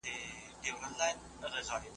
تاسو هم لوی کارونه کولی شئ